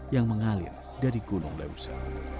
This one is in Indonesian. yang mengalir dari gunung lemser